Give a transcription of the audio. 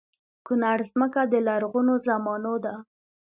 کونړ ځمکه د لرغونو زمانو ده